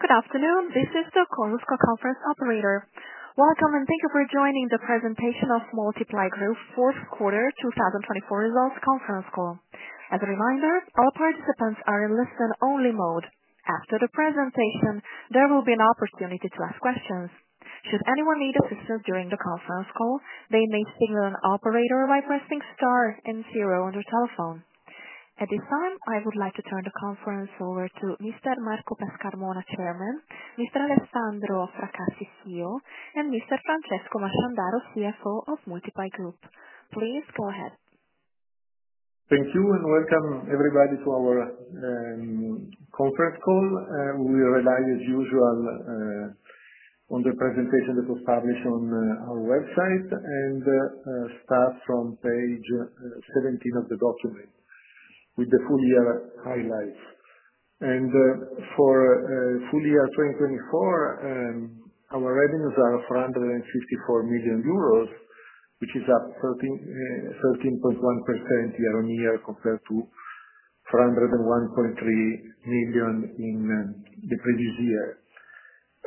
Good afternoon, this is the conference operator. Welcome and thank you for joining the presentation of Moltiply Group Fourth Quarter 2024 Results conference call. As a reminder, all participants are in listen-only mode. After the presentation, there will be an opportunity to ask questions. Should anyone need assistance during the conference call, they may signal an operator by pressing star and zero on their telephone. At this time, I would like to turn the conference over to Mr. Marco Pescarmona, Chairman, Mr. Alessandro Fracassi, CEO, and Mr. Francesco Masciandaro, CFO of Moltiply Group. Please go ahead. Thank you, and welcome everybody to our conference call. We rely, as usual, on the presentation that was published on our website and start from page 17 of the document with the full year highlights. For full year 2024, our revenues are 454 million euros, which is up 13.1% year-on-year compared to 401.3 million in the previous year.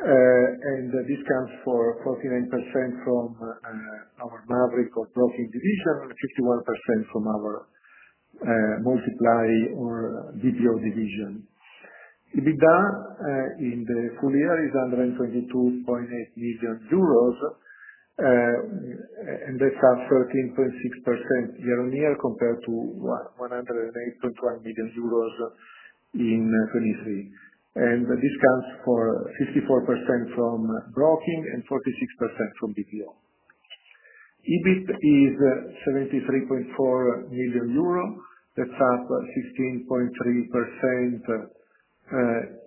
This comes for 49% from our Mavriq or Broking division and 51% from our Moltiply or BPO division. EBITDA in the full year is 122.8 million euros, and that's up 13.6% year-on-year compared to 108.1 million euros in 2023. This comes for 64% from Broking and 46% from BPO. EBIT is 73.4 million euro. That's up 16.3%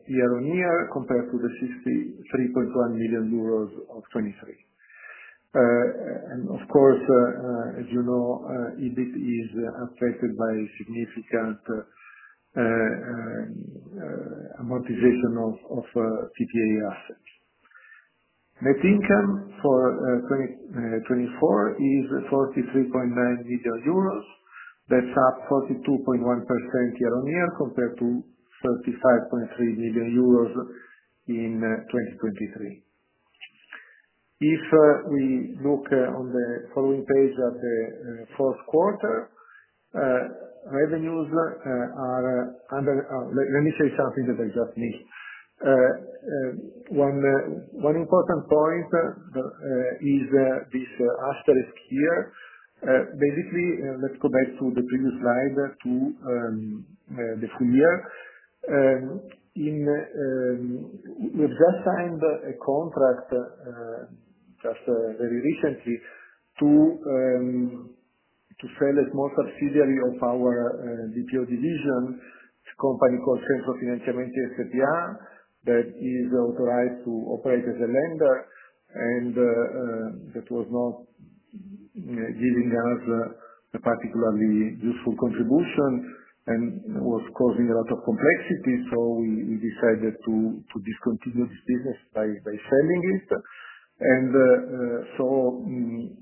year-on-year compared to the EUR 63.1 million of 2023. Of course, as you know, EBIT is affected by significant amortization of PPA assets. Net income for 2024 is 43.9 million euros. That's up 42.1% year-on-year compared to 35.3 million euros in 2023. If we look on the following page of the fourth quarter, revenues are under—let me say something that I just missed. One important point is this asterisk here. Basically, let's go back to the previous slide to the full year. We have just signed a contract just very recently to sell a small subsidiary of our BPO division, a company called Centro Finanziamenti S.p.A., that is authorized to operate as a lender, and that was not giving us a particularly useful contribution and was causing a lot of complexity. We decided to discontinue this business by selling it.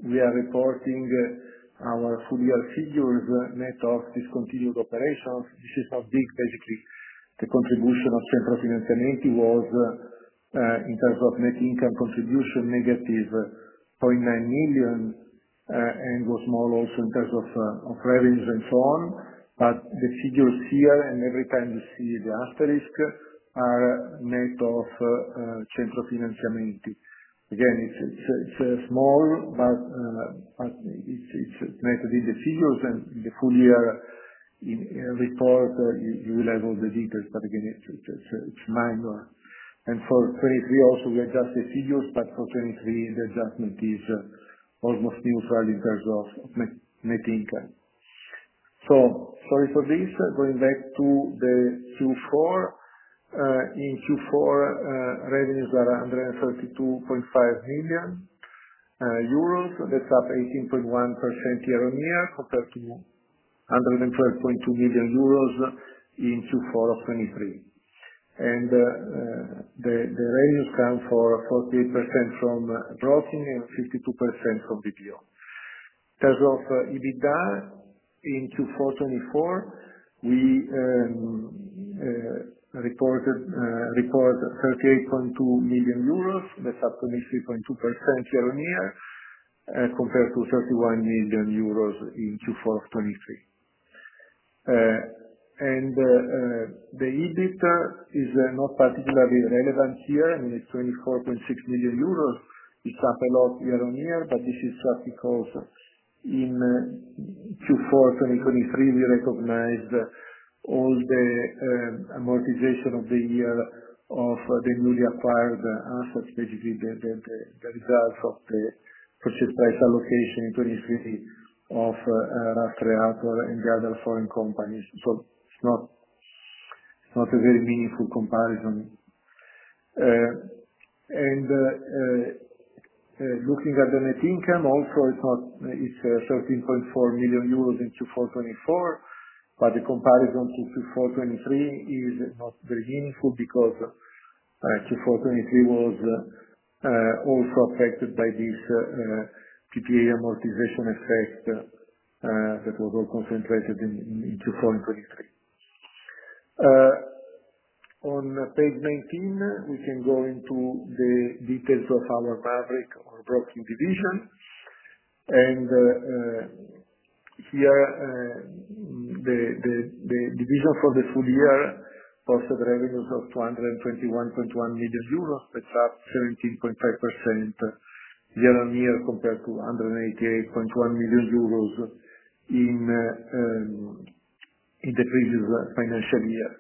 We are reporting our full-year figures net of discontinued operations. This is how big, basically, the contribution of Centro Finanziamenti was in terms of net income contribution, negative 0.9 million, and was small also in terms of revenues and so on. The figures here, and every time you see the asterisk, are net of Centro Finanziamenti. Again, it's small, but it's met in the figures. In the full-year report, you will have all the details, but again, it's minor. For 2023 also, we adjusted figures, but for 2023 the adjustment is almost neutral in terms of net income. Sorry for this. Going back to the Q4, in Q4, revenues are 132.5 million euros. That's up 18.1% year-on-year compared to 112.2 million euros in Q4 of 2023. The revenues come for 48% from Broking and 52% from BPO. In terms of EBITDA in Q4 of 2024, we reported 38.2 million euros. That's up 23.2% year-on-year compared to 31 million euros in Q4 of 2023. I mean, the EBIT is not particularly relevant here. It's 24.6 million euros. It's up a lot year-on-year, but this is just because in Q4 of 2023, we recognized all the amortization of the year of the newly acquired assets, basically the results of the purchase price allocation in 2023 of Rastreator and the other foreign companies. It is not a very meaningful comparison. Looking at the net income also, it's 13.4 million euros in Q4 of 2024, but the comparison to Q4 of 2023 is not very meaningful because Q4 of 2023 was also affected by this PPA amortization effect that was all concentrated in Q4 in 2023. On page 19, we can go into the details of our Mavriq or Broking division. Here, the division for the full year posted revenues of 221.1 million euros. That is up 17.5% year-on-year compared to 188.1 million euros in the previous financial year.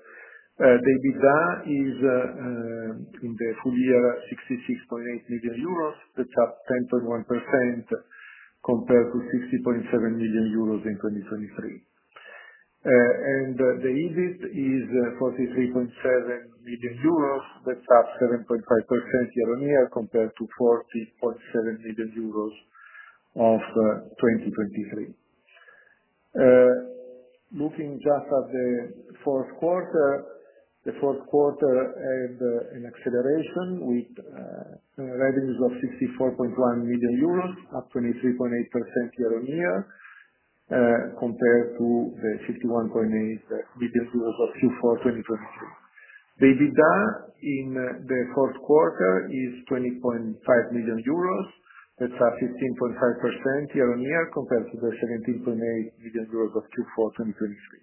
The EBITDA is in the full year 66.8 million euros. That is up 10.1% compared to 60.7 million euros in 2023. The EBIT is 43.7 million euros. That is up 7.5% year-on-year compared to 40.7 million euros of 2023. Looking just at the fourth quarter, the fourth quarter had an acceleration with revenues of 64.1 million euros, up 23.8% year-on-year compared to the 51.8 million euros of Q4 2023. The EBITDA in the fourth quarter is 20.5 million euros. That is up 15.5% year-on-year compared to the 17.8 million euros of Q4 2023.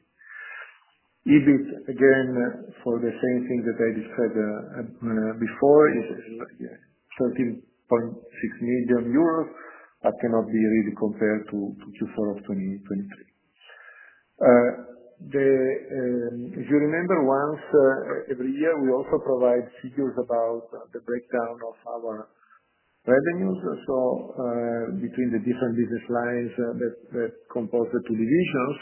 EBIT, again, for the same thing that I described before, is 13.6 million euros, but cannot be really compared to Q4 of 2023. If you remember, once every year, we also provide figures about the breakdown of our revenues between the different business lines that compose the two divisions.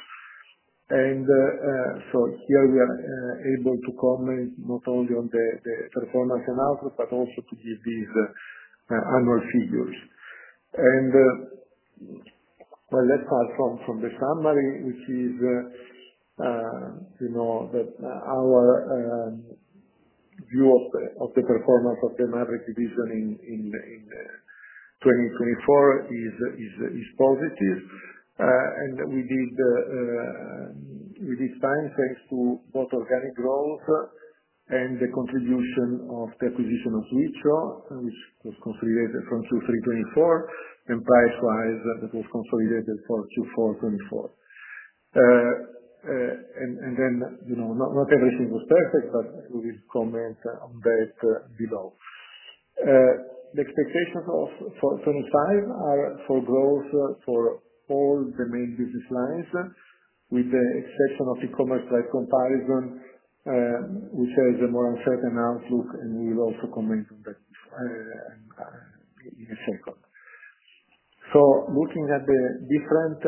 Here, we are able to comment not only on the performance and outlook, but also to give these annual figures. Let's start from the summary, which is that our view of the performance of the Mavriq division in 2024 is positive. We did fine thanks to both organic growth and the contribution of the acquisition of Switcho, which was consolidated from Q3 2024, and Pricewise, that was consolidated for Q4 2024. Not everything was perfect, but we will comment on that below. The expectations for 2025 are for growth for all the main business lines, with the exception of e-commerce comparison, which has a more uncertain outlook, and we will also comment on that in a second. Looking at the different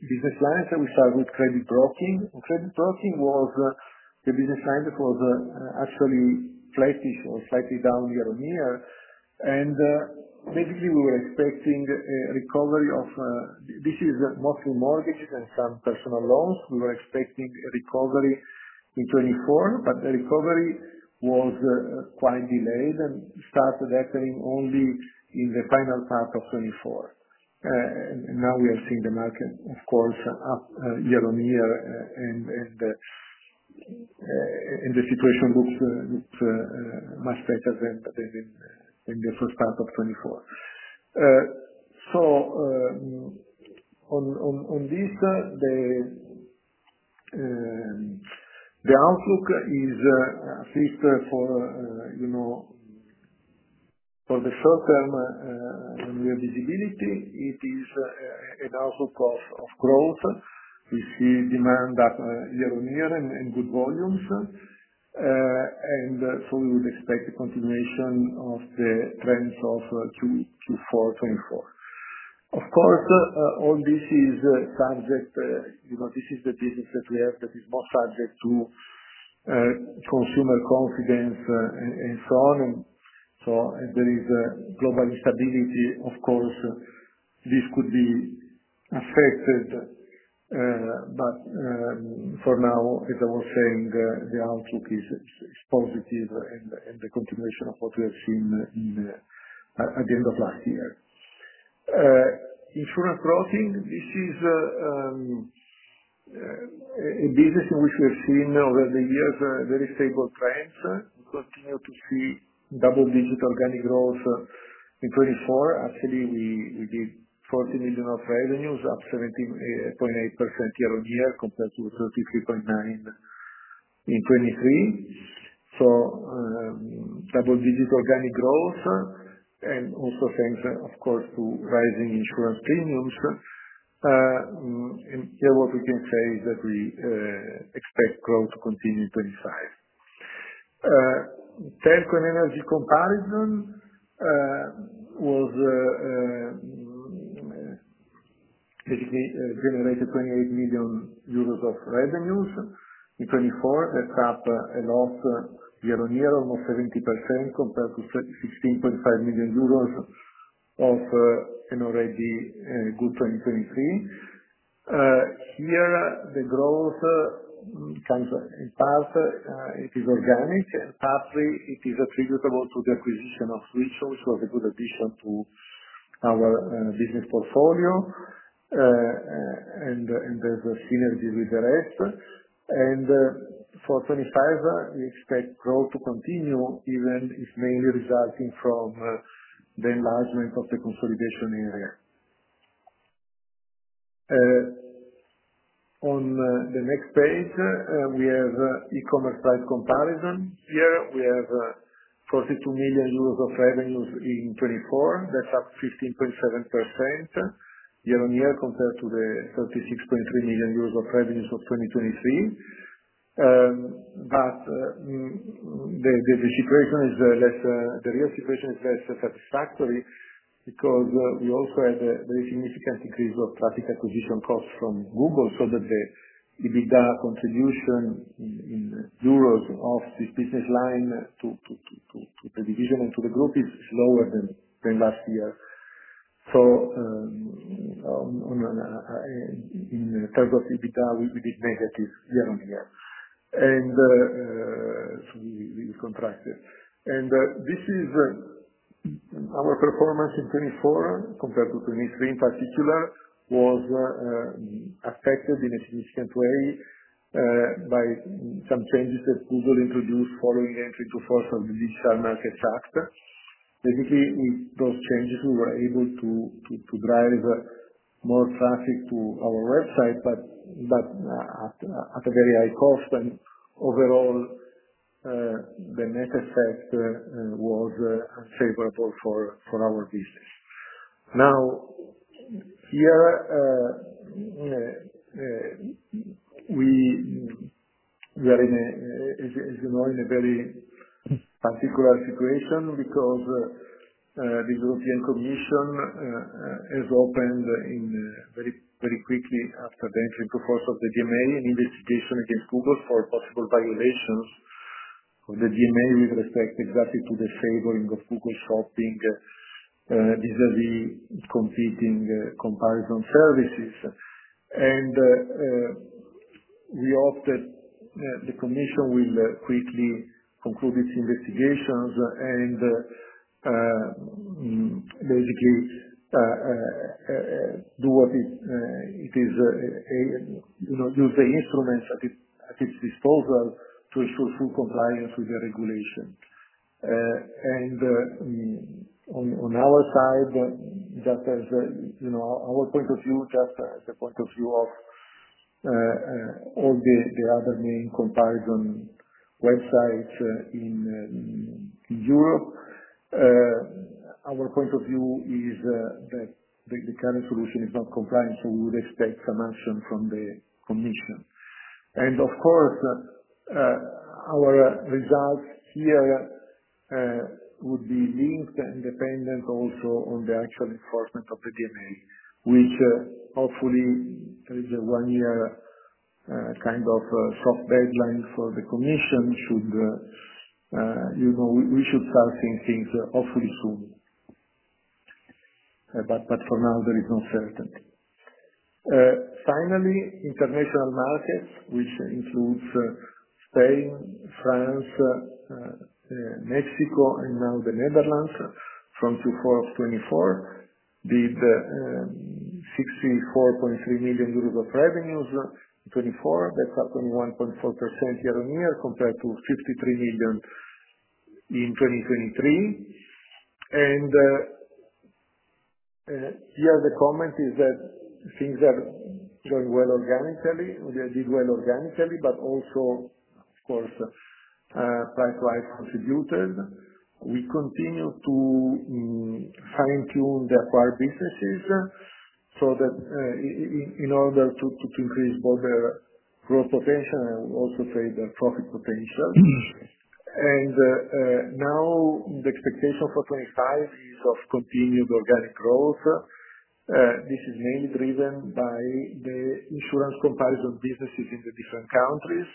business lines, we start with Credit Broking. Credit Broking was the business line that was actually flattish or slightly down year-on-year. Basically, we were expecting a recovery of this, which is mostly mortgages and some personal loans. We were expecting a recovery in 2024, but the recovery was quite delayed and started happening only in the final part of 2024. Now we are seeing the market, of course, up year-on-year, and the situation looks much better than in the first part of 2024. On this, the outlook is, at least for the short-term visibility, an outlook of growth. We see demand up year-on-year and good volumes. We would expect the continuation of the trends of Q4 2024. Of course, all this is subject—this is the business that we have that is more subject to consumer confidence and so on. There is global instability. Of course, this could be affected, but for now, as I was saying, the outlook is positive and the continuation of what we have seen at the end of last year. Insurance Broking, this is a business in which we have seen, over the years, very stable trends. We continue to see double-digit organic growth in 2024. Actually, we did 40 million of revenues, up 17.8% year-on-year compared to 33.9 million in 2023. Double-digit organic growth, and also thanks, of course, to rising insurance premiums. Here, what we can say is that we expect growth to continue in 2025. Telco and energy comparison basically generated 28 million euros of revenues in 2024. That's up a lot year-on-year, almost 70% compared to 16.5 million euros of an already good 2023. Here, the growth comes in part. It is organic. Partly, it is attributable to the acquisition of Switcho, which was a good addition to our business portfolio and has a synergy with the rest. For 2025, we expect growth to continue, even if mainly resulting from the enlargement of the consolidation area. On the next page, we have e-commerce-like comparison. Here, we have 42 million euros of revenues in 2024. That's up 15.7% year-on-year compared to the 36.3 million euros of revenues of 2023. The real situation is less satisfactory because we also had a very significant increase of traffic acquisition costs from Google, so that the EBITDA contribution in euros of this business line to the division and to the group is lower than last year. In terms of EBITDA, we did negative year-on-year. We will contrast it. This is our performance in 2024 compared to 2023 in particular. It was affected in a significant way by some changes that Google introduced following the entry into force of the Digital Markets Act. Basically, with those changes, we were able to drive more traffic to our website, but at a very high cost. Overall, the net effect was unfavorable for our business. Here, we are in a, as you know, in a very particular situation because the European Commission has opened very quickly after the entry into force of the DMA an investigation against Google for possible violations of the DMA with respect exactly to the favoring of Google shopping vis-à-vis competing comparison services. We hope that the Commission will quickly conclude its investigations and basically do what it is, use the instruments at its disposal to ensure full compliance with the regulation. On our side, that has our point of view, just the point of view of all the other main comparison websites in Europe. Our point of view is that the current solution is not compliant, so we would expect some action from the Commission. Of course, our results here would be linked and dependent also on the actual enforcement of the DMA, which hopefully is a one-year kind of soft deadline for the Commission. We should start seeing things hopefully soon. For now, there is no certainty. Finally, international markets, which includes Spain, France, Mexico, and now the Netherlands from Q4 of 2024, did 64.3 million euros of revenues in 2024. That's up 21.4% year-on-year compared to 53 million in 2023. The comment is that things are going well organically. They did well organically, but also, of course, Pricewise contributed. We continue to fine-tune the acquired businesses in order to increase both their growth potential and also their profit potential. The expectation for 2025 is of continued organic growth. This is mainly driven by the insurance comparison businesses in the different countries.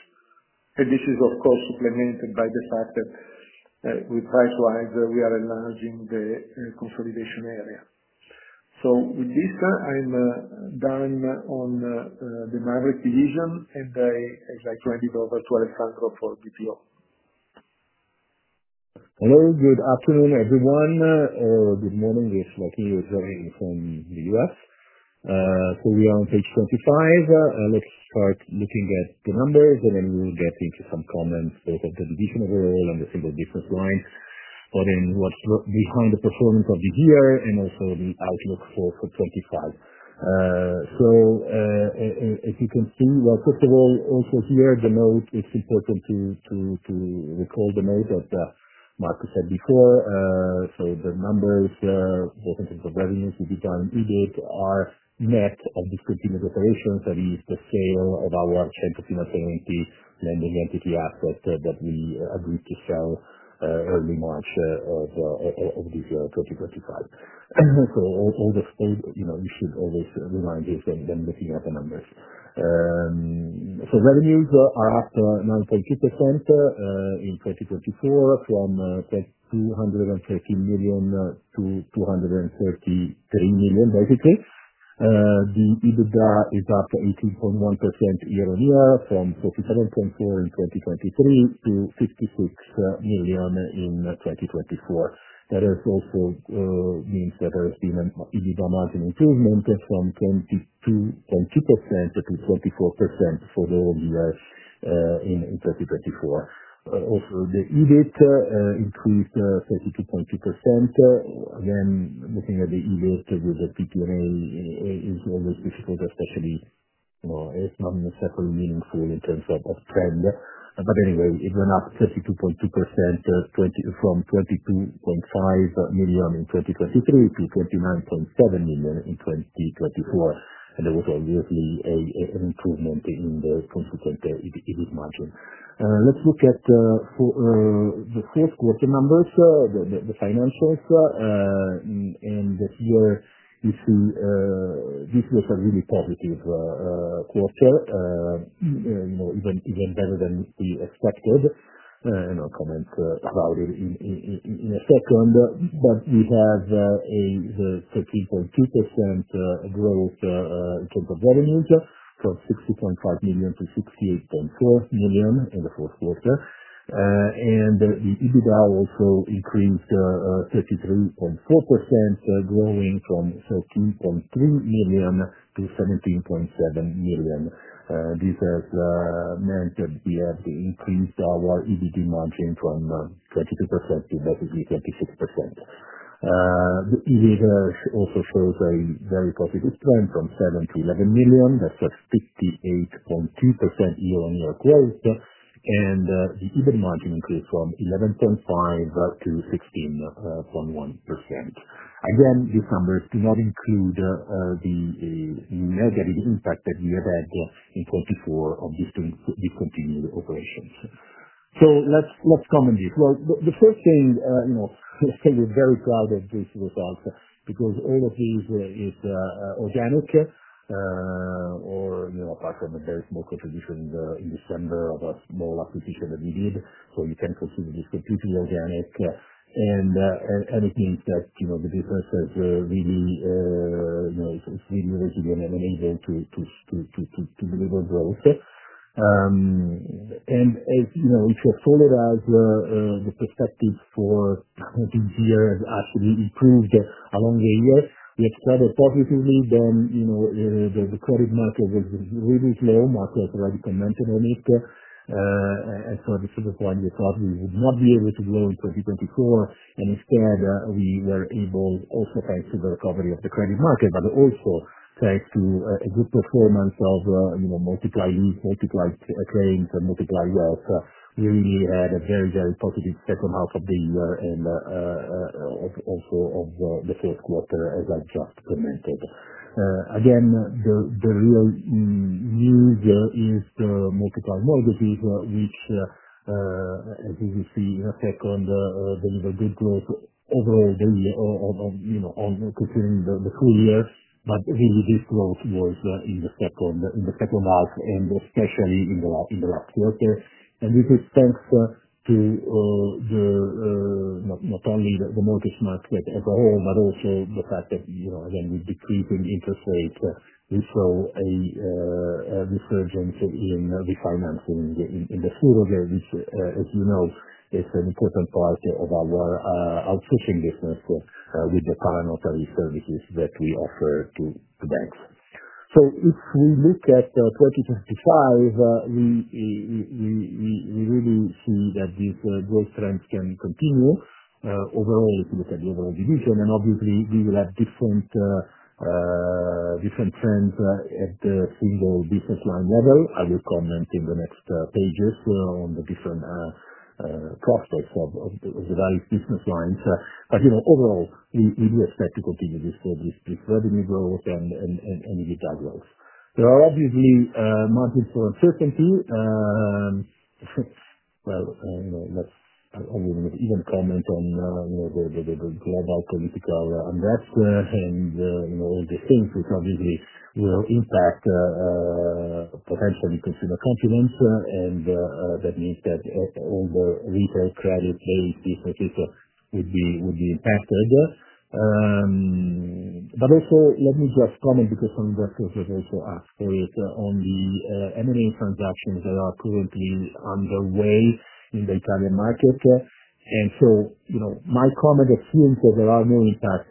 This is, of course, supplemented by the fact that Pricewise, we are enlarging the consolidation area. With this, I'm done on the Mavriq division, and I would like to hand it over to Alessandro for BPO. Hello. Good afternoon, everyone. Good morning. This is Joaquin Uzarri from the United States. We are on page 25. Let's start looking at the numbers, and then we will get into some comments both of the division overall and the single business line, but then what's behind the performance of the year, and also the outlook for 2025. As you can see, first of all, also here, the note, it's important to recall the note that Marco said before. The numbers both in terms of revenues, EBITDA, and EBIT are net of discontinued operations, that is, the sale of our 10% of the lending entity asset that we agreed to sell early March of this year, 2025. All the state, you should always remind you of them looking at the numbers. Revenues are up 9.2% in 2024 from 230 million to 233 million, basically. The EBITDA is up 18.1% year-on-year from 47.4 million in 2023 to 56 million in 2024. That also means that there has been an EBITDA margin improvement from 22.2% to 24% for the whole year in 2024. Also, the EBIT increased 32.2%. Again, looking at the EBIT with the PPA is always difficult, especially if none is separately meaningful in terms of trend. Anyway, it went up 32.2% from 22.5 million in 2023 to 29.7 million in 2024. There was obviously an improvement in the consequent EBIT margin. Let's look at the fourth quarter numbers, the financials. Here, you see this was a really positive quarter, even better than we expected. I'll comment about it in a second. We have a 13.2% growth in terms of revenues from 60.5 million to 68.4 million in the fourth quarter. The EBITDA also increased 33.4%, growing from 13.3 million to 17.7 million. This has meant that we have increased our EBITDA margin from 22% to basically 26%. The EBITDA also shows a very positive trend from 7 to 11 million. That's a 58.2% year-on-year growth. The EBITDA margin increased from 11.5% to 16.1%. These numbers do not include the negative impact that we have had in 2024 of discontinued operations. Let's comment on this. The first thing, let's say we're very proud of these results because all of this is organic, apart from a very small contribution in December of a small acquisition that we did. You can consider this completely organic. It means that the business is really resilient and able to deliver growth. If you follow the perspective for this year, it has actually improved along the year we excelled positively. The credit market was really slow. Marco has already commented on it. At the simple point, we thought we would not be able to grow in 2024. Instead, we were able, also thanks to the recovery of the credit market, but also thanks to a good performance of Moltiply Trades, Moltiply Wealth. We really had a very, very positive second half of the year and also of the first quarter, as I just commented. Again, the real news is the Moltiply Mortgages, which, as you will see in a second, delivered good growth overall on considering the full year. Really, this growth was in the second half and especially in the last quarter. This is thanks to not only the mortgage market as a whole, but also the fact that, again, with decreasing interest rates, we saw a resurgence in refinancing in the food, which, as you know, is an important part of our outsourcing business with the para-notary services that we offer to banks. If we look at 2025, we really see that these growth trends can continue. Overall, if you look at the overall division, and obviously, we will have different trends at the single business line level. I will comment in the next pages on the different prospects of the various business lines. Overall, we do expect to continue this revenue growth and EBITDA growth. There are obviously margins for uncertainty. I will not even comment on the global political unrest and all these things, which obviously will impact potentially consumer confidence. That means that all the retail credit-based businesses would be impacted. Let me just comment because some investors have also asked for it on the M&A transactions that are currently underway in the Italian market. My comment assumes that there are no impacts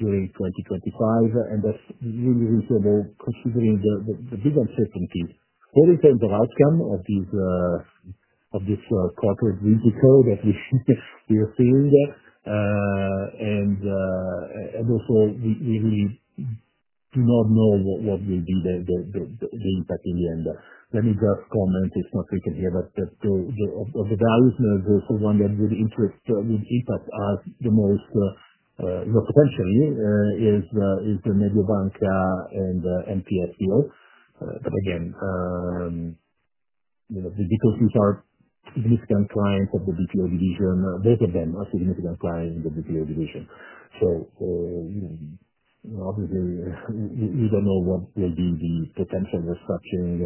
during 2025. That is really reasonable considering the big uncertainty in terms of outcome of this quarter's risico that we are seeing. We really do not know what will be the impact in the end. Let me just comment, if not, we can hear that the values are the ones that would impact us the most potentially, which is the Mediobanca and MPS. Again, these are significant clients of the BPO division, both of them are significant clients of the BPO division. Obviously, we do not know what will be the potential restructuring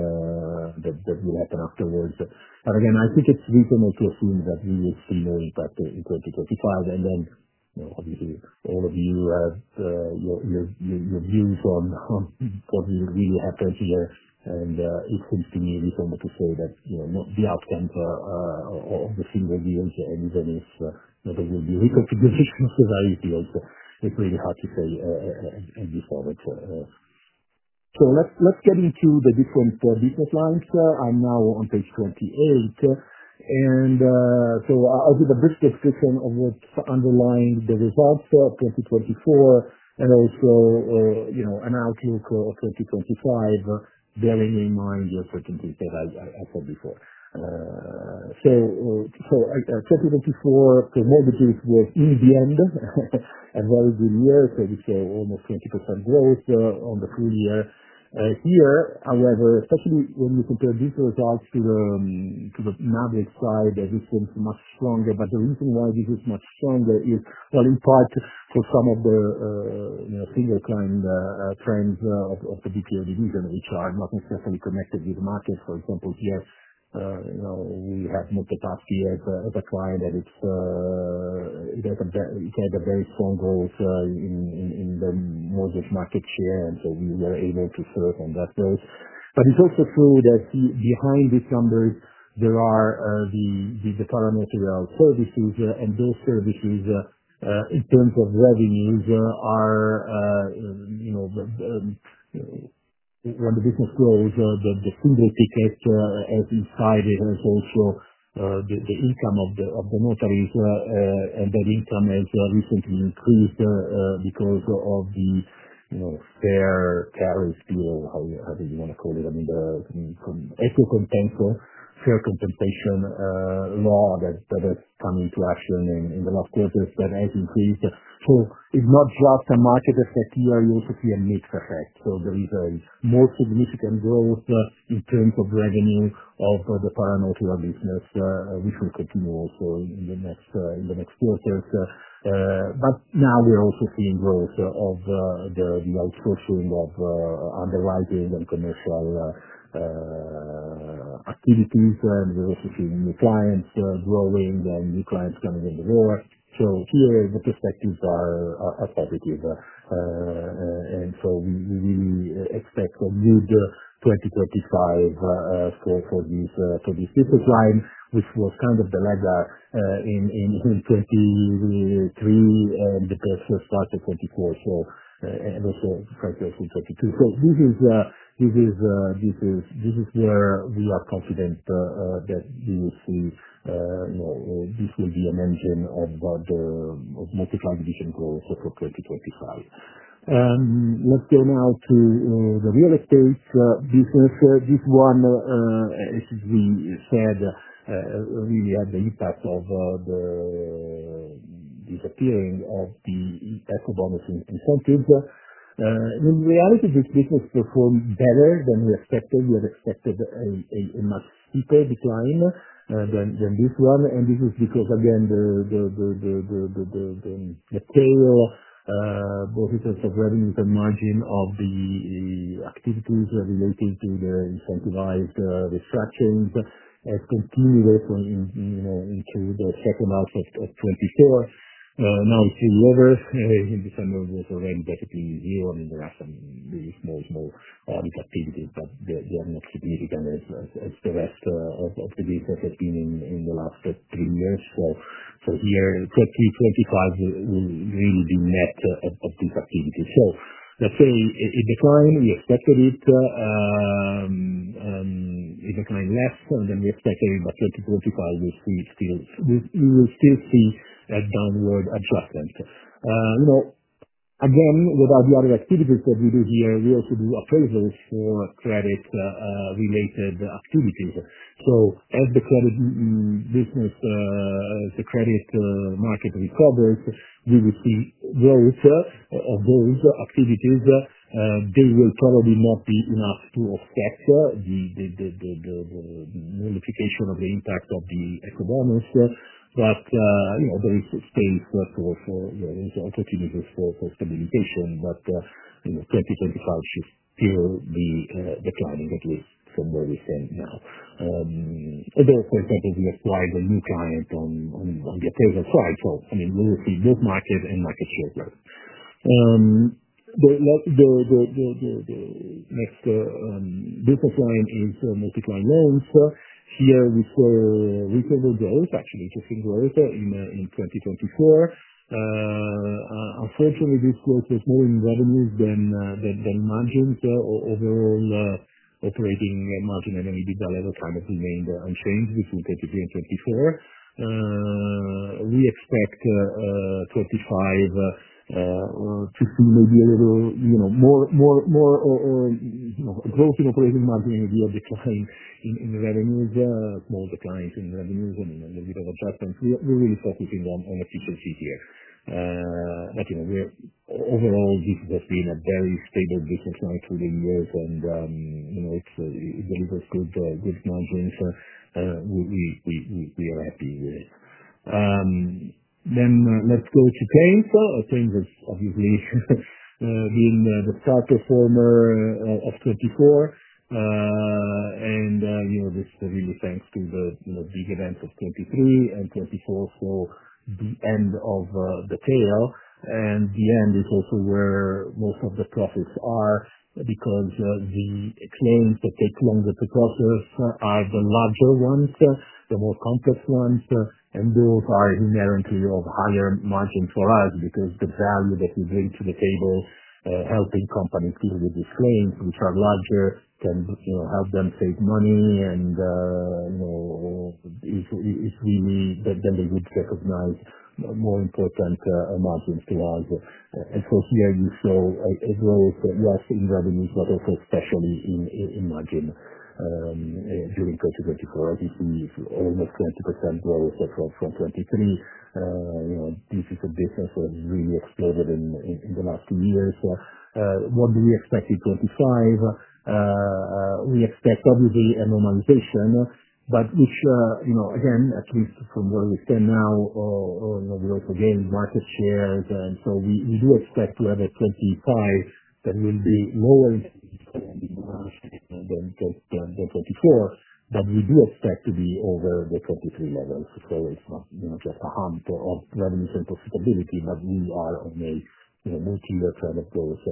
that will happen afterwards. Again, I think it's reasonable to assume that we will see no impact in 2025. Obviously, all of you have your views on what will really happen here. It seems to me reasonable to say that the outcomes of the single deals ,and even if there will be reconfigurations of the various deals, it's really hard to say and be forward. Let's get into the different business lines. I'm now on page 28. I'll give a brief description of what's underlying the results of 2024 and also an outlook of 2025, bearing in mind the uncertainties that I said before. 2024, mortgages was, in the end, a very good year. We saw almost 20% growth on the full year. Here, however, especially when we compare these results to the Mavriq side, this seems much stronger. The reason why this is much stronger is, in part, for some of the single-client trends of the BPO division, which are not necessarily connected with markets. For example, here, we have Monte Paschi as a client, and it had a very strong growth in the mortgage market share. We were able to serve on that growth. It is also true that behind these numbers, there are the para-notary services. Those services, in terms of revenues, are when the business grows, the single ticket has incited, as also the income of the notaries. That income has recently increased because of the fair tariff deal, however you want to call it. I mean, the equal compensation, fair compensation law that has come into action in the last quarter that has increased. It is not just a market effect here. You also see a mixed effect. There is a more significant growth in terms of revenue of the para-notary business, which will continue also in the next quarters. We are also seeing growth of the outsourcing of underwriting and commercial activities. We are also seeing new clients growing and new clients coming in the door. Here, the perspectives are positive. We really expect a good 2025 for this business line, which was kind of the laggard in 2023 and the best start of 2024. Also, franchise in 2022. This is where we are confident that we will see this will be an engine of Moltiply Group division growth for 2025. Let's go now to the real estate business. This one, as we said, really had the impact of the disappearing of the Ecobonus incentives. In reality, this business performed better than we expected. We had expected a much steeper decline than this one. This is because, again, the tail, both in terms of revenues and margin of the activities relating to the incentivized restructurings, has continued into the second half of 2024. Now, it is really over. In December, it was already basically zero. I mean, there are some really small, small activities, but they are not significant, as the rest of the business has been in the last three years. Here, 2025 will really be net of these activities. Let's say it declined. We expected it. It declined less. We expected that by 2025, we will still see that downward adjustment. Again, with all the other activities that we do here, we also do appraisals for credit-related activities. As the credit business, the credit market recovers, we will see growth of those activities. They will probably not be enough to affect the nullification of the impact of the Ecobonus. There is space for opportunities for stabilization. 2025 should still be declining, at least from where we stand now. Although, for example, we acquired a new client on the appraisal side. I mean, we will see both market and market share growth. The next business line is Moltiply Loans. Here, we saw reasonable growth, actually interesting growth in 2024. Unfortunately, this growth was more in revenues than margins. Overall operating margin and EBITDA level kind of remained unchanged between 2023 and 2024. We expect 2025 to see maybe a little more growth in operating margin and a decline in revenues, small declines in revenues, and a little bit of adjustments. We are really focusing on a future GTX. Overall, this has been a very stable business line through the years. It delivers good margins. We are happy with it. Let's go to claims. Claims has obviously been the star performer of 2024. This is really thanks to the big events of 2023 and 2024 for the end of the tail. The end is also where most of the profits are because the claims that take longer to process are the larger ones, the more complex ones. Those are inherently of higher margin for us because the value that we bring to the table, helping companies deal with these claims, which are larger, can help them save money. They would recognize more important margins to us. Here, you saw a growth, yes, in revenues, but also especially in margin during 2024. As you see, almost 20% growth from 2023. This is a business that has really exploded in the last two years. What do we expect in 2025? We expect, obviously, a normalization, which, again, at least from where we stand now, we're also gaining market shares. We do expect to have a 2025 that will be lower than 2024. We do expect to be over the 2023 levels. It is not just a hump of revenues and profitability, but we are on a multi-year trend of growth.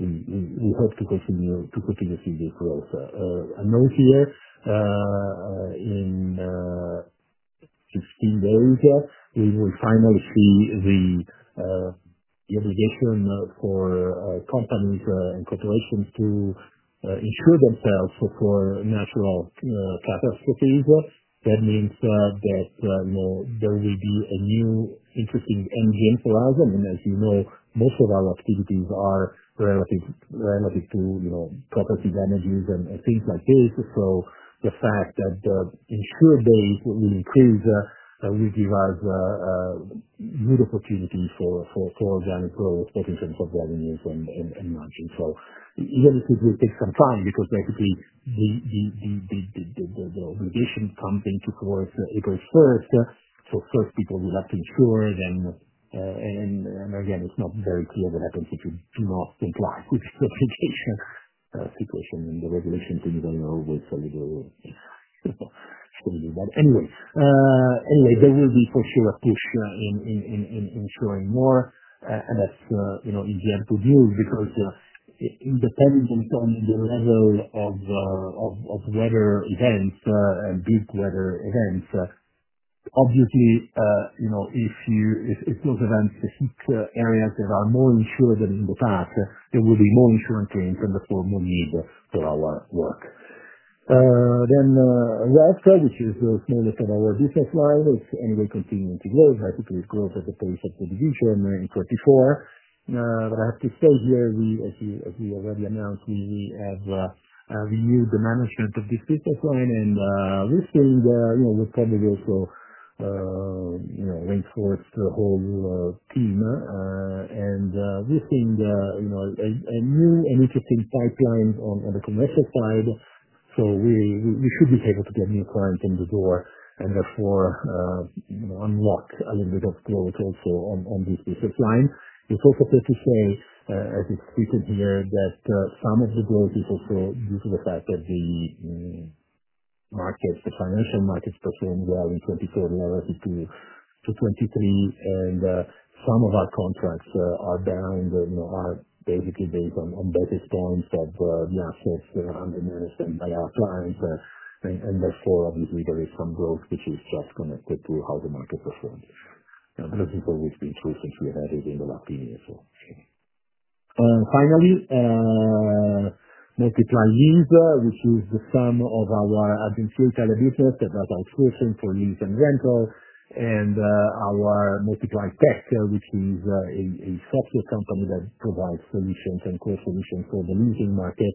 We hope to continue to see this growth. A note here, in 15 days, we will finally see the obligation for companies and corporations to insure themselves for natural catastrophes. That means that there will be a new interesting engine for us. As you know, most of our activities are relative to property damages and things like this. The fact that the insured days will increase will give us good opportunities for organic growth, both in terms of revenues and margins. Even if it will take some time, because basically the obligation comes into force April 1st. First, people will have to insure. Again, it's not very clear what happens if you do not comply with this obligation situation. The regulations, in general, will show you that. Anyway, there will be for sure a push in insuring more. That's in the end good news because, independently from the level of weather events and big weather events, obviously, if those events hit areas that are more insured than in the past, there will be more insurance claims and therefore more need for our work. Lercari, which is the smallest of our business lines, is anyway continuing to grow, basically growth at the pace of the division in 2024. I have to say here, as we already announced, we have renewed the management of this business line. We think we've probably also reinforced the whole team. We think a new and interesting pipeline on the commercial side. We should be able to get new clients in the door and therefore unlock a little bit of growth also on this business line. It's also fair to say, as it's written here, that some of the growth is also due to the fact that the markets, the financial markets, performed well in 2024 relative to 2023. Some of our contracts are basically based on basis points of the assets under management by our clients. Therefore, obviously, there is some growth which is just connected to how the market performed. As you said, it's been true since we had it in the last two years. Finally, Moltiply Lease, which is the sum of our advanced retail business that does outsourcing for lease and rental, and our Moltiply Tech, which is a software company that provides solutions and core solutions for the leasing market.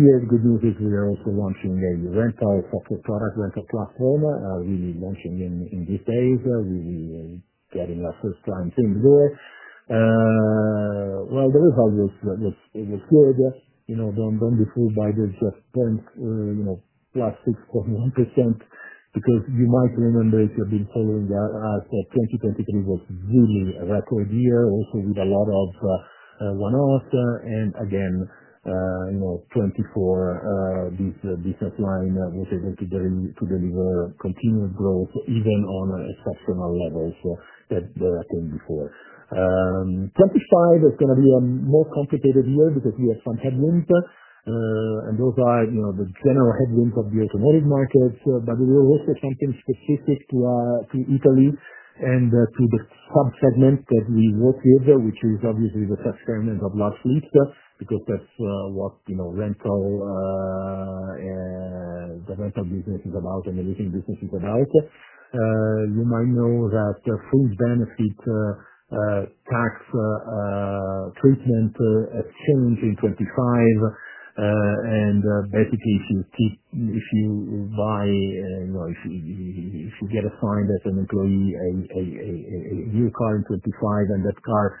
Here, the good news is we are also launching a Rental Software Product Rental platform, really launching in these days, really getting our first clients in the door. The result was good. Do not be fooled by the just 0.61% because you might remember if you've been following us that 2023 was really a record year, also with a lot of one-offs. Again, 2024, this business line was able to deliver continued growth even on exceptional levels that came before. 2025 is going to be a more complicated year because we have some headwinds. Those are the general headwinds of the automotive market. There will also be something specific to Italy and to the subsegment that we work with, which is obviously the subsegment of last week, because that is what the rental business is about and the leasing business is about. You might know that the fringe benefit tax treatment has changed in 2025. Basically, if you buy, if you get assigned as an employee a new car in 2025, and that car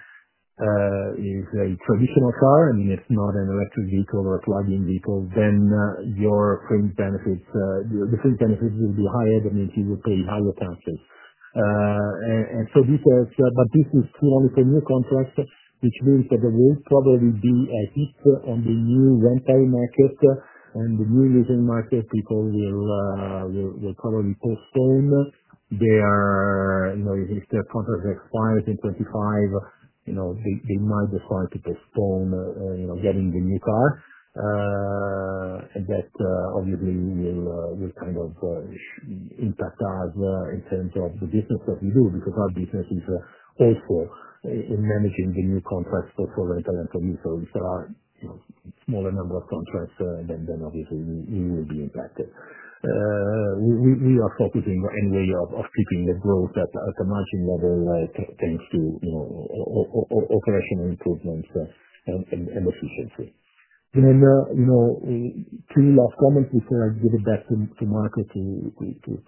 is a traditional car, I mean, it is not an electric vehicle or a plug-in vehicle, then your fringe benefits will be higher. That means you will pay higher taxes. This is still only for new contracts, which means that there will probably be a hit on the new rental market. The new leasing market, people will probably postpone. If their contract expires in 2025, they might decide to postpone getting the new car. That obviously will kind of impact us in terms of the business that we do because our business is also in managing the new contracts both for rental and for lease. If there are a smaller number of contracts, then obviously we will be impacted. We are focusing anyway on keeping the growth at a margin level thanks to operational improvements and efficiency. Two last comments before I give it back to Marco to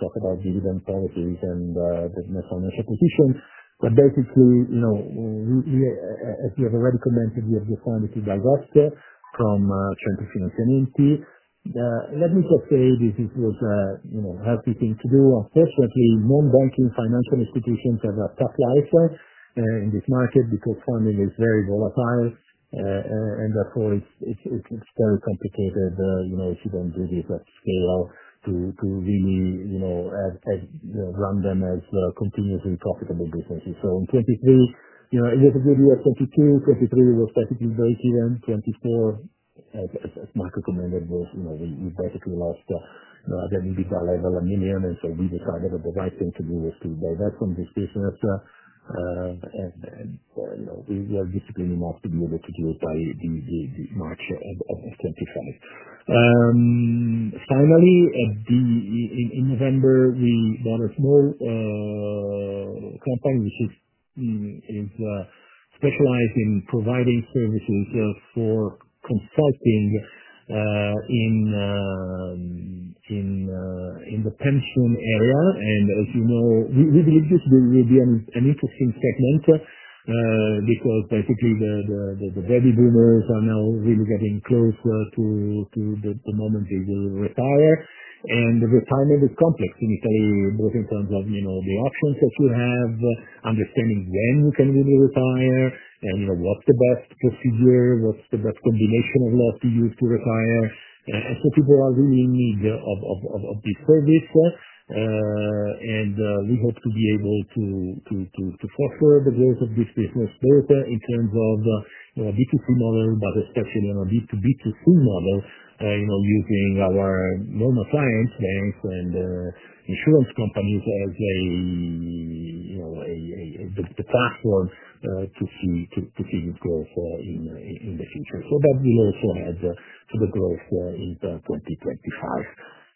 talk about the event policies and the financial position. Basically, as we have already commented, we have decided to divest from Centro Finanziamenti. Let me just say this was a healthy thing to do. Unfortunately, non-banking financial institutions have a tough life in this market because funding is very volatile. Therefore, it is very complicated if you do not do this at scale to really run them as continuously profitable businesses. In 2023, it was a good year. 2022, 2023 was basically a break-even. 2024, as Marco commented, we basically lost at an EBITDA level EUR 1 million. We decided that the right thing to do was to divest from this business. We are disciplined enough to be able to do it by March of 2025. Finally, in November, we bought a small company which is specialized in providing services for consulting in the pension area. As you know, we believe this will be an interesting segment because basically, the baby boomers are now really getting close to the moment they will retire. Retirement is complex in Italy, both in terms of the options that you have, understanding when you can really retire, and what is the best procedure, what is the best combination of laws to use to retire. People are really in need of this service. We hope to be able to foster the growth of this business both in terms of a B2C model, but especially on a B2B2C model, using our normal clients, banks, and insurance companies as the platform to see this growth in the future. That will also add to the growth in 2025.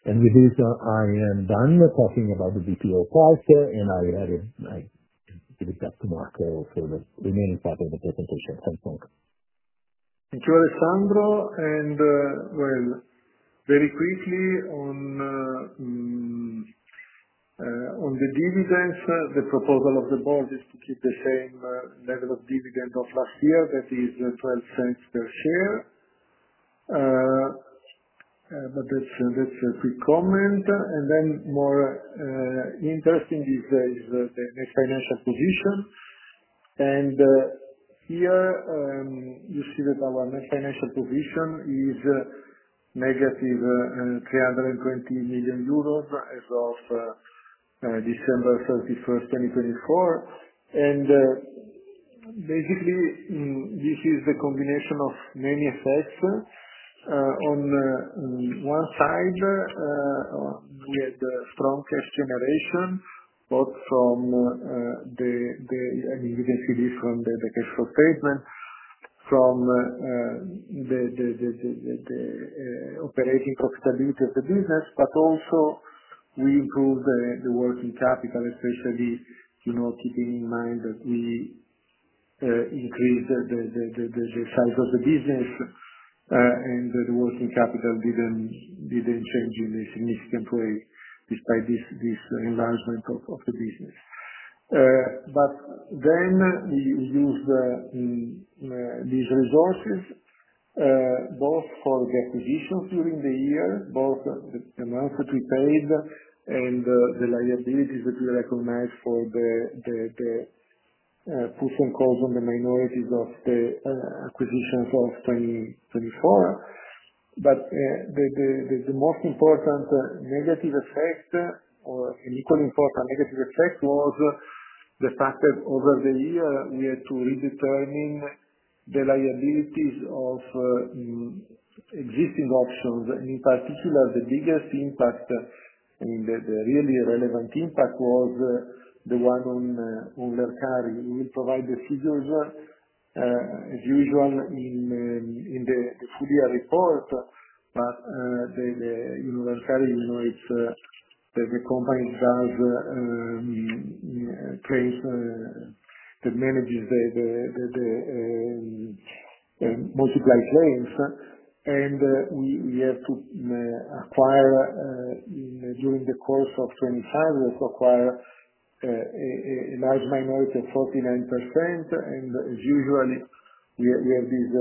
With this, I am done talking about the BPO part. I will give it back to Marco for the remaining part of the presentation. Thanks, Marco. Thank you, Alessandro. Very quickly on the dividends, the proposal of the board is to keep the same level of dividend as last year. That is 0.12 per share. That is a quick comment. More interesting is the net financial position. Here you see that our net financial position is negative 320 million euros as of December 31st, 2024. Basically, this is the combination of many effects. On one side, we had strong cash generation, both from the, I mean, you can see this from the cash flow statement, from the operating profitability of the business, but also we improved the working capital, especially keeping in mind that we increased the size of the business. The working capital did not change in a significant way despite this enlargement of the business. We used these resources, both for the acquisitions during the year, both the amounts that we paid and the liabilities that we recognized for the puts and calls on the minorities of the acquisitions of 2024. The most important negative effect, or an equally important negative effect, was the fact that over the year, we had to redetermine the liabilities of existing options. In particular, the biggest impact, I mean, the really relevant impact was the one on Lercari. We will provide the figures, as usual, in the full-year report. Lercari, you know, is the company that does claims that manages the Moltiply Claims. We have to acquire, during the course of 2025, a large minority of 49%. As usual, we have these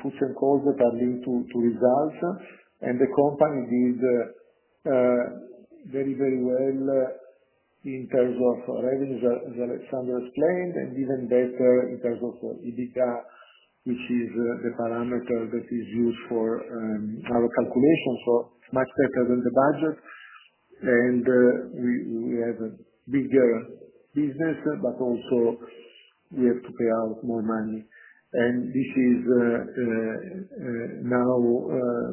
puts and calls that are linked to results. The company did very, very well in terms of revenues, as Alessandro explained, and even better in terms of EBITDA, which is the parameter that is used for our calculations. So much better than the budget. We have a bigger business, but also we have to pay out more money. This is now,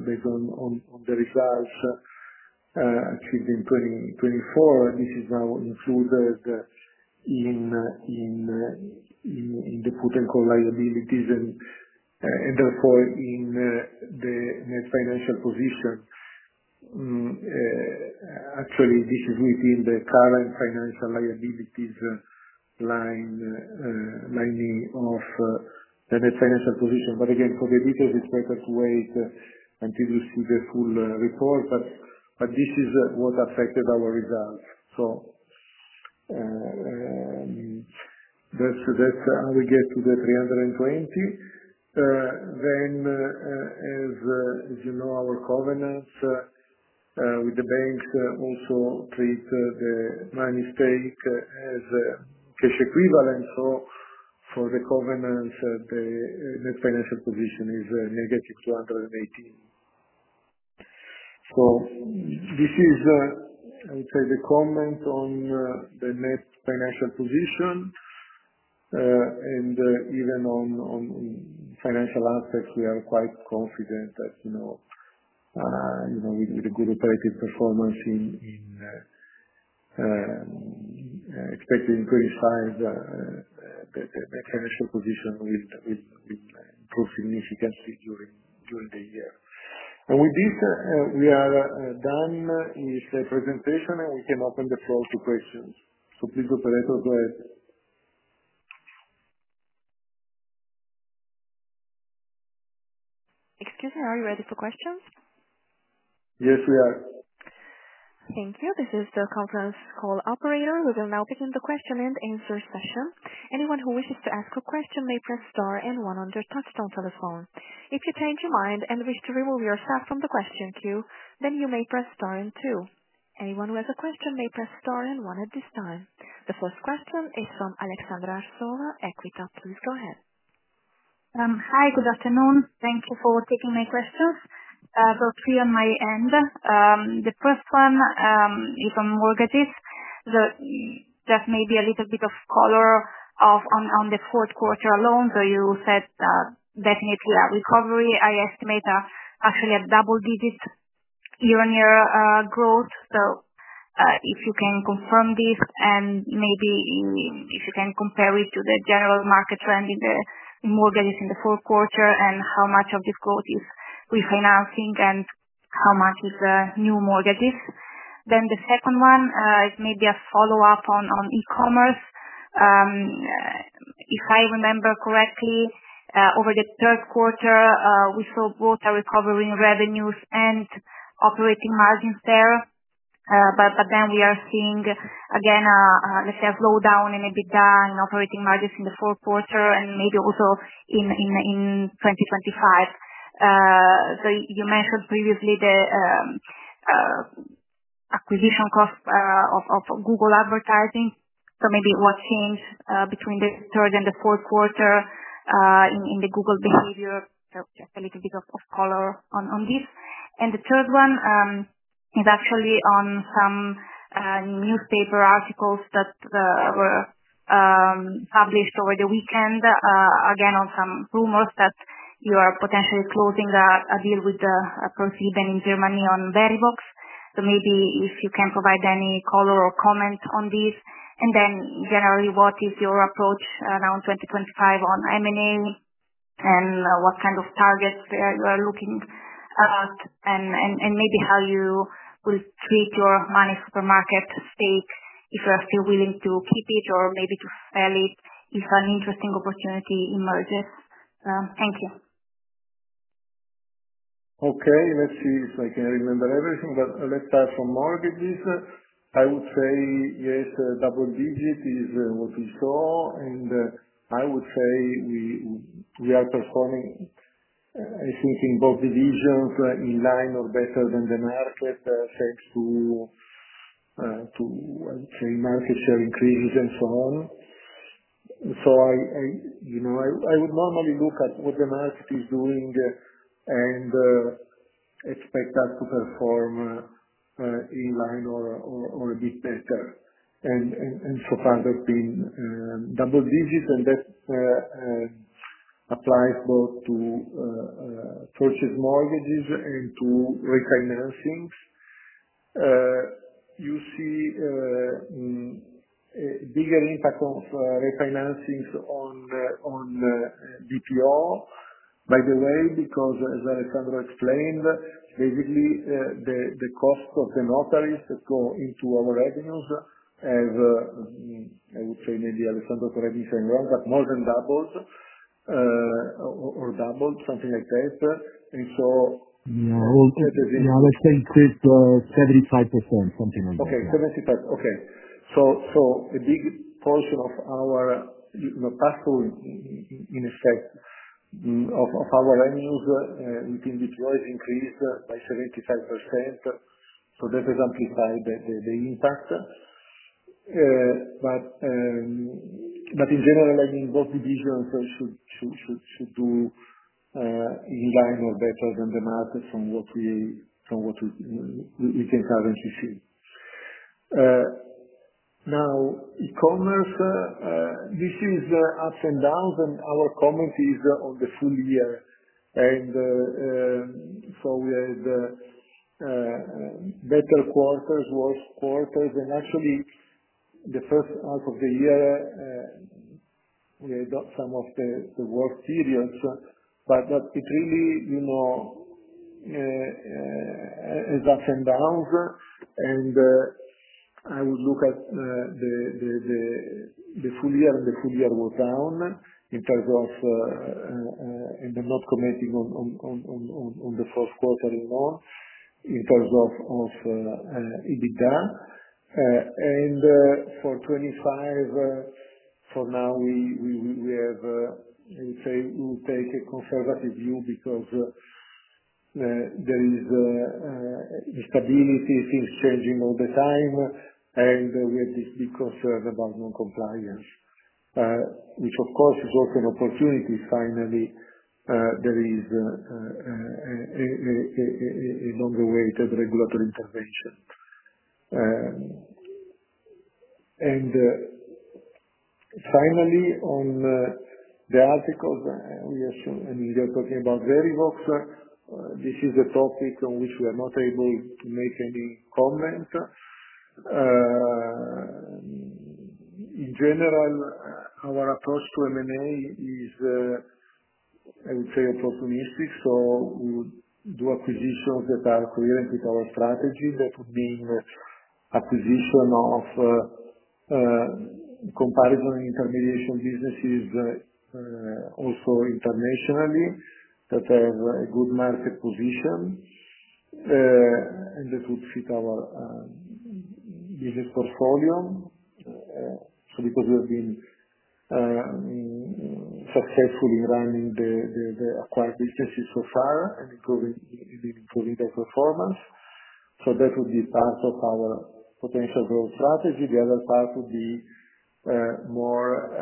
based on the results achieved in 2024, included in the puts and calls liabilities and therefore in the net financial position. Actually, this is within the current financial liabilities line of the net financial position. For the details, it is better to wait until you see the full report. This is what affected our results. That is how we get to the 320. As you know, our covenants with the banks also treat the Money stake as cash equivalent. For the covenants, the net financial position is negative 218 million. I would say this is the comment on the net financial position. Even on financial aspects, we are quite confident that with a good operative performance in expected increased size, the financial position will improve significantly during the year. With this, we are done with the presentation. We can open the floor to questions. Please, operators, go ahead. Excuse me, are you ready for questions? Yes, we are. Thank you. This is the conference call operator. We will now begin the question-and-answer session. Anyone who wishes to ask a question may press star and one on their touch-tone telephone. If you change your mind and wish to remove yourself from the question queue, then you may press star and two. Anyone who has a question may press star, and one at this time. The first question is from Aleksandra Arsova, Equita. Please go ahead. Hi, good afternoon. Thank you for taking my questions. Three on my end. The first one is on mortgages. Just maybe a little bit of color on the fourth quarter alone. You said definitely a recovery. I estimate actually a double-digit year-on-year growth. If you can confirm this, and maybe if you can compare it to the general market trend in the mortgages in the fourth quarter, and how much of this growth is refinancing and how much is new mortgages. The second one is maybe a follow-up on e-commerce. If I remember correctly, over the third quarter, we saw both a recovery in revenues and operating margins there. We are seeing, again, let's say, a slowdown in EBITDA and operating margins in the fourth quarter and maybe also in 2025. You mentioned previously the acquisition cost of Google advertising. Maybe what changed between the third and the fourth quarter in the Google behavior. Just a little bit of color on this. The third one is actually on some newspaper articles that were published over the weekend, again, on some rumors that you are potentially closing a deal with a proceeding in Germany on Verivox. Maybe if you can provide any color or comment on this. And then generally, what is your approach around 2025 on M&A, and what kind of targets you are looking at, and maybe how you will treat your MoneySuperMarket stake if you are still willing to keep it, or maybe to sell it if an interesting opportunity emerges. Thank you. Okay. Let's see if I can remember everything. Let's start from mortgages. I would say, yes, double-digit is what we saw. I would say we are performing, I think, in both divisions in line or better than the market than thanks to, I would say, market share increases and so on. I would normally look at what the market is doing and expect us to perform in line or a bit better. So far, that's been double-digits. That applies both to purchase mortgages and to refinancings. You see a bigger impact of refinancings on BPO, by the way, because, as Alessandro explained, basically, the cost of the notaries that go into our revenues have, I would say, maybe Alessandro correct me if I'm wrong, but more than doubled or doubled, something like that. That has increased 75%, something like that. Okay. 75%. Okay. A big portion of our pass-through, in effect, of our revenues within BPO has increased by 75%. That has amplified the impact. In general, I mean, both divisions should do in line or better than the market from what we can currently see. Now, e-commerce this is ups and downs. Our comment is on the full year. We had better quarters, worse quarters. Actually, the first half of the year, we had some of the worst periods. It really has ups and downs. I would look at the full year and the full year wore down in terms of, and not commenting on the fourth quarter, and all in terms of EBITDA. For 2025, for now, we have, I would say we will take a conservative view because there is instability, things changing all the time. We have this big concern about non-compliance, which, of course, is also an opportunity. Finally, there is a long-awaited regulatory intervention. Finally, on the articles, I mean, you're talking about Verivox. This is a topic on which we are not able to make any comment. In general, our approach to M&A is, I would say, opportunistic. We would do acquisitions that are coherent with our strategy. That would mean acquisition of comparison and intermediation businesses also internationally, that have a good market position and that would fit our business portfolio. Because we have been successful in running the acquired businesses so far and improving their performance, that would be part of our potential growth strategy. The other part would be more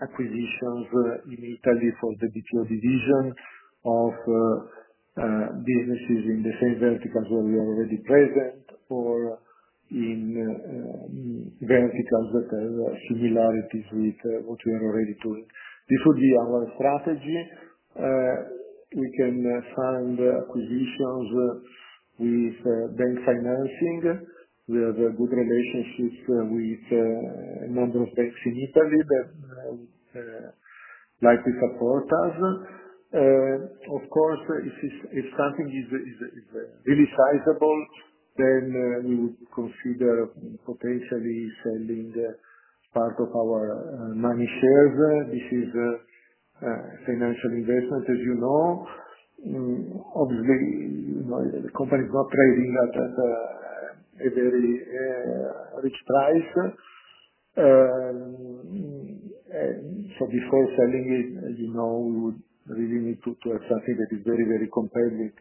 acquisitions in Italy for the BPO division of businesses in the same verticals where we are already present, or in verticals that have similarities with what we are already doing. This would be our strategy. We can fund acquisitions with bank financing. We have good relationships with a number of banks in Italy that would likely support us. Of course, if something is really sizable, then we would consider potentially selling part of our Money shares. This is a financial investment, as you know. Obviously, the company is not trading at a very rich price, and so before selling it, as you know, we would really need to have something that is very, very competitive.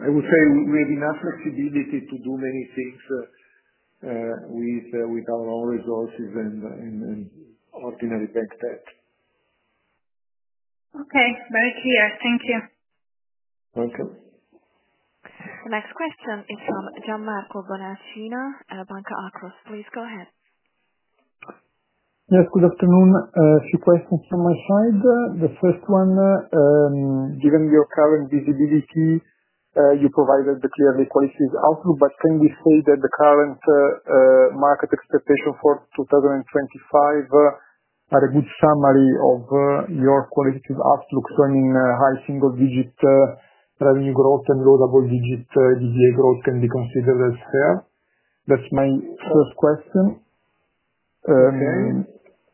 I would say we have enough flexibility to do many things with our own resources and ordinary bank debt. Okay. Very clear. Thank you. Thank you. The next question is from Gianmarco Bonacina at Banca Akros. Please go ahead. Yes. Good afternoon. A few questions from my side. The first one, given your current visibility, you provided the clear liquidity outlook. Can we say that the current market expectations for 2025 are a good summary of your qualitative outlook? I mean, high single-digit revenue growth and low double-digit EBITDA growth can be considered as fair? That's my first question.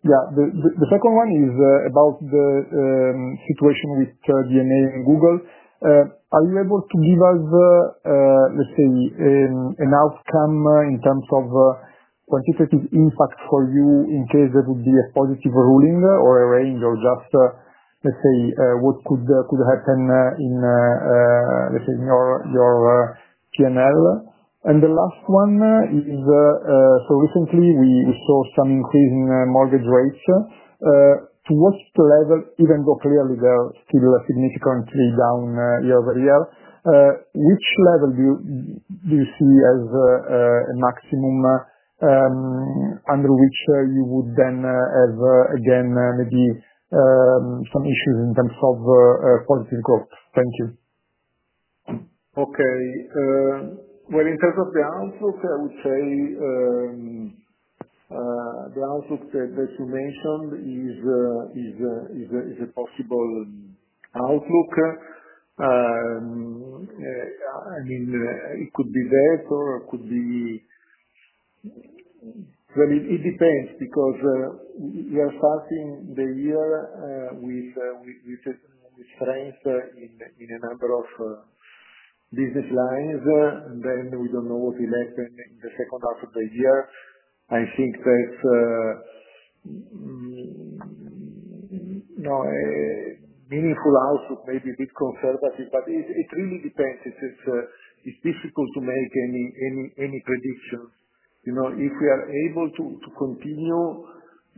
Yeah. The second one is about the situation with DMA and Google. Are you able to give us, let's say, an outcome in terms of quantitative impact for you in case there would be a positive ruling or a range, or just, let's say, what could happen in, let's say, in your P&L? The last one is, recently, we saw some increase in mortgage rates. To what level, even though clearly they're still significantly down year-over-year, which level do you see as a maximum under which you would then have, again, maybe some issues in terms of positive growth? Thank you. Okay. In terms of the outlook, I would say the outlook that you mentioned is a possible outlook. I mean, it could be that, or it could be, it depends, because we are starting the year with strength in a number of business lines. We do not know what will happen in the second half of the year. I think that is a meaningful outlook, maybe a bit conservative. It really depends. It is difficult to make any predictions. If we are able to continue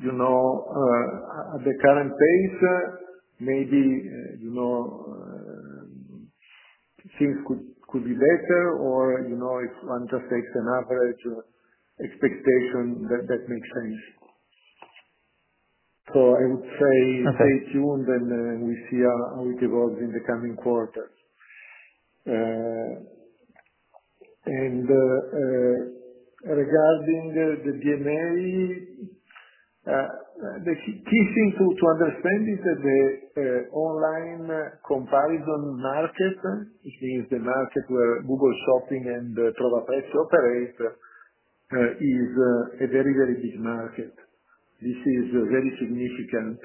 at the current pace, maybe things could be better. If one just takes an average expectation, that makes sense. I would say stay tuned, and we will see how it evolves in the coming quarter. Regarding the DMA, the key thing to understand is that the online comparison market, which means the market where Google Shopping and Pricewise operate, is a very, very big market. This is very significant.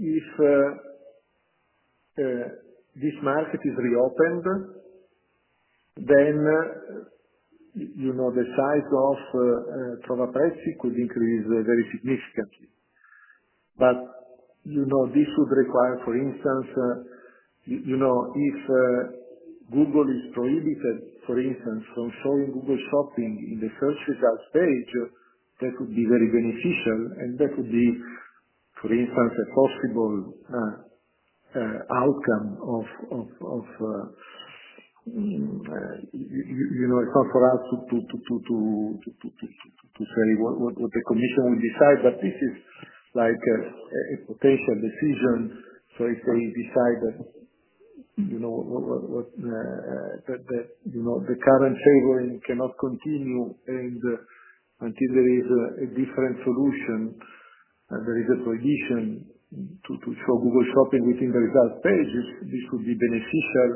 If this market is reopened, then the size of Pricewise could increase very significantly. This would require, for instance, if Google is prohibited, for instance, from showing Google Shopping in the search results page, that would be very beneficial. That would be, for instance, a possible outcome. It is not for us to say what the commission will decide. This is like a potential decision. If they decide that the current favoring cannot continue and until there is a different solution, there is a prohibition to show Google Shopping within the results pages. This would be beneficial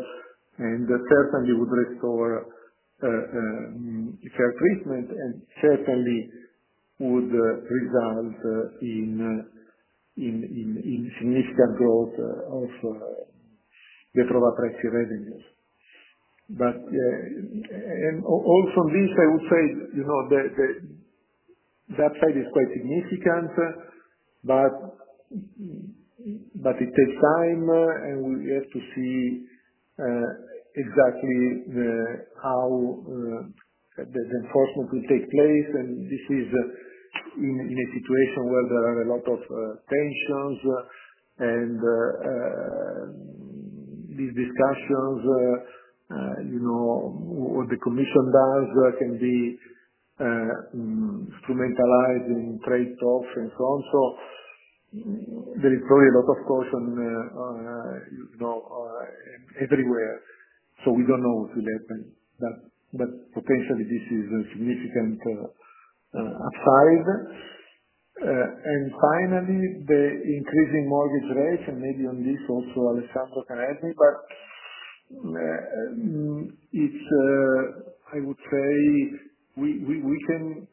and certainly would restore fair treatment and certainly would result in significant growth of the [Mutuionline] revenues. Also, on this, I would say that side is quite significant. It takes time. We have to see exactly how the enforcement will take place. This is in a situation where there are a lot of tensions. These discussions, what the commission does, can be instrumentalized in trade talks and so on. There is probably a lot of caution everywhere. We do not know what will happen. Potentially, this is a significant upside. Finally, the increasing mortgage rates. Maybe on this also, Alessandro can help me. I would say we can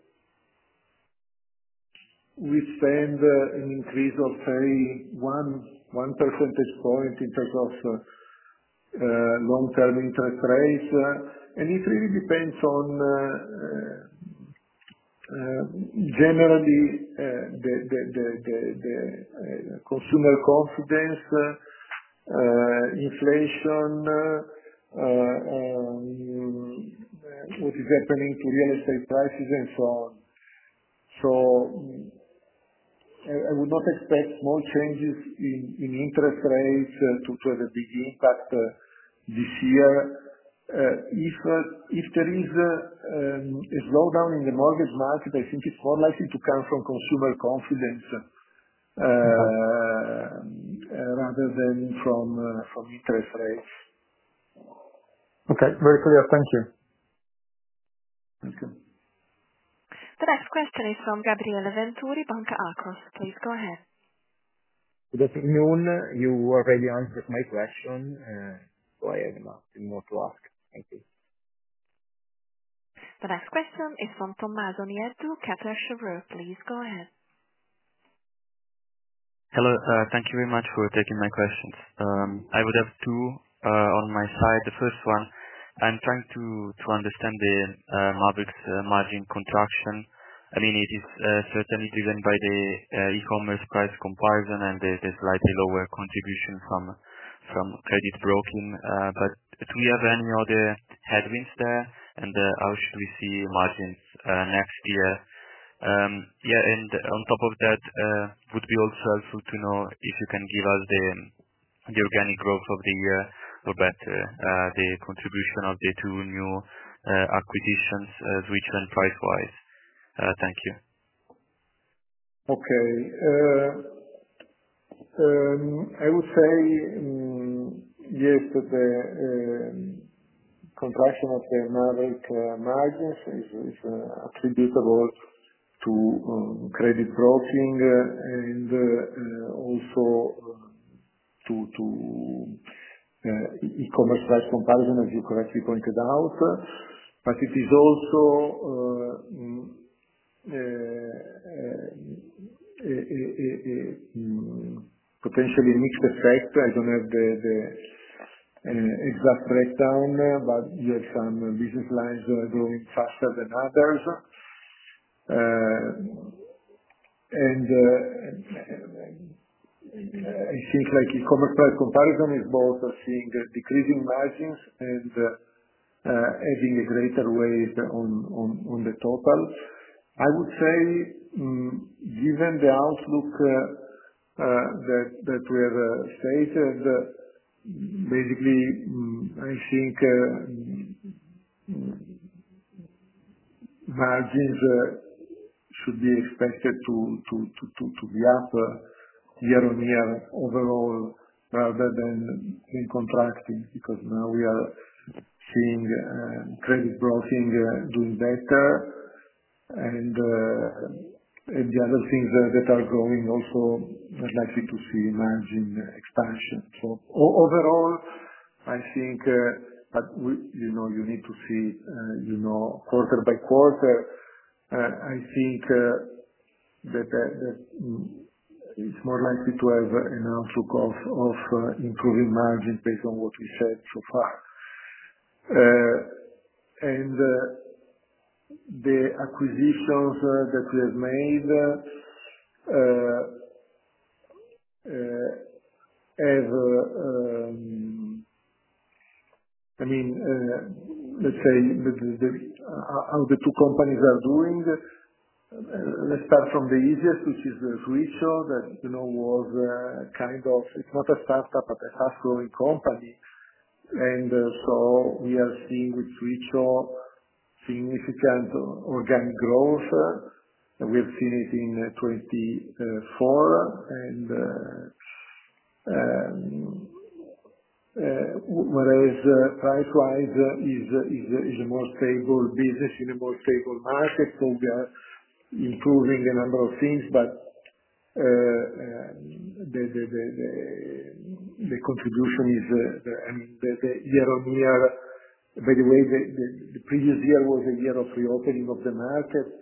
withstand an increase of, say, 1 percentage point in terms of long-term interest rates. It really depends on, generally, the consumer confidence, inflation, what is happening to real estate prices, and so on. I would not expect small changes in interest rates to have a big impact this year. If there is a slowdown in the mortgage market, I think it is more likely to come from consumer confidence rather than from interest rates. Okay. Very clear. Thank you. Thank you. The next question is from Gabriele Venturi, Banca Akros. Please go ahead. Good afternoon. You already answered my question. I have nothing more to ask. Thank you. The next question is from Tommaso Nieddu, Kepler Cheuvreux. Please go ahead. Hello. Thank you very much for taking my questions. I would have two on my side. The first one, I am trying to understand the margin contraction. I mean, it is certainly driven by the e-commerce price comparison and the slightly lower contribution from Credit Broking. Do we have any other headwinds there? How should we see margins next year? Yeah. On top of that, it would be also helpful to know if you can give us the organic growth of the year, or better, the contribution of the two new acquisitions, which one, Pricewise? Thank you. Okay. I would say, yes, that the contraction of the margins is attributable to Credit Broking and also to e-commerce price comparison, as you correctly pointed out. It is also potentially a mixed effect. I do not have the exact breakdown. You have some business lines that are growing faster than others. It seems like e-commerce price comparison is both seeing decreasing margins and adding a greater weight on the total. I would say, given the outlook that we have stated, basically, I think margins should be expected to be up year-on-year overall, rather than contracting, because now we are seeing Credit Broking doing better. The other things that are growing also, I would like you to see margin expansion. Overall, I think, but you need to see quarter by quarter, I think that it's more likely to have an outlook of improving margins based on what we said so far. The acquisitions that we have made, I mean, let's say how the two companies are doing. Let's start from the easiest, which is Switcho, that was kind of, it's not a startup, but a fast-growing company. We are seeing with Switcho significant organic growth. We have seen it in 2024. Whereas Pricewise, it's a more stable business in a more stable market. We are improving a number of things. The contribution is, I mean, year-on-year, by the way, the previous year was a year of reopening of the market.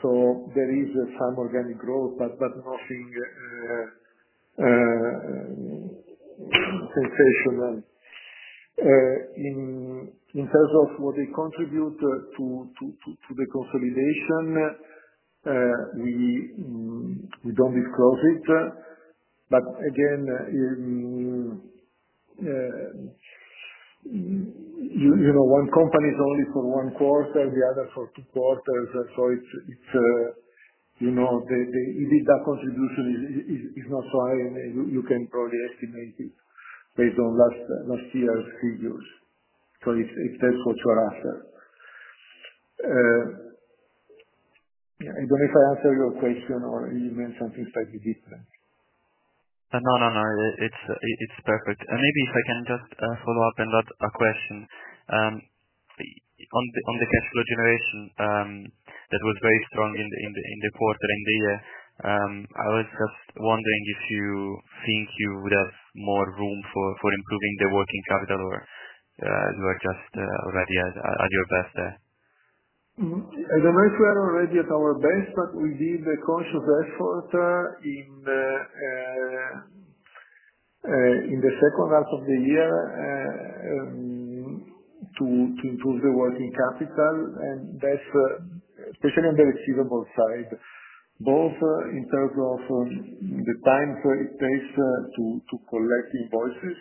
There is some organic growth, but nothing sensational. In terms of what they contribute to the consolidation, we do not disclose it. Again, one company is only for one quarter, the other for two quarters. The EBITDA contribution is not so high. You can probably estimate it based on last year's figures if that is what you are after. I do not know if I answered your question or you meant something slightly different. No, no, no. It is perfect. Maybe if I can just follow up on that question. On the cash flow generation that was very strong in the quarter and the year, I was just wondering if you think you would have more room for improving the working capital, or you are just already at your best there? I do not know if we are already at our best. We did a conscious effort in the second half of the year to improve the working capital. That is especially on the receivable side, both in terms of the time it takes to collect invoices,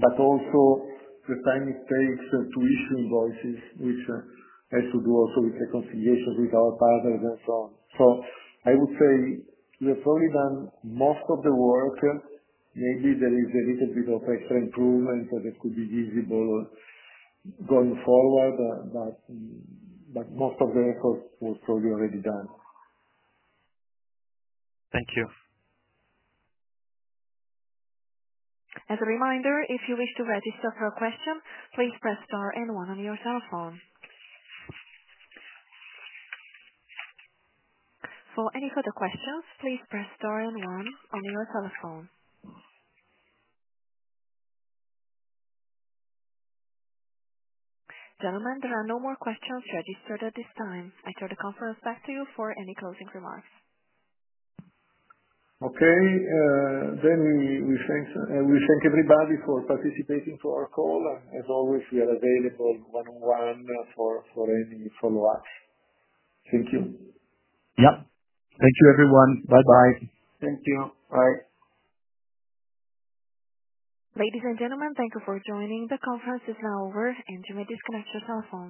but also the time it takes to issue invoices, which has to do also with the conciliation with our partners and so on. I would say we have probably done most of the work. Maybe there is a little bit of extra improvement that could be visible going forward. Most of the effort was probably already done. Thank you. As a reminder, if you wish to register for a question, please press star and one on your cellphone. For any further questions, please press star and one on your cellphone. Gentlemen, there are no more questions registered at this time. I turn the conference back to you for any closing remarks. Okay. We thank everybody for participating to our call. As always, we are available one-on-one for any follow-ups. Thank you. Yep. Thank you, everyone. Bye-bye. Thank you. Bye. Ladies and gentlemen, thank you for joining. The conference is now over. You may disconnect your cellphone.